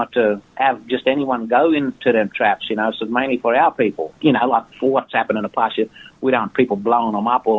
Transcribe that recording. tempat tempat ini adalah tempat khas seperti perangkap